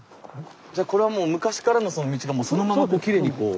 じゃあこれはもう昔からのその道がそのままきれいにこう。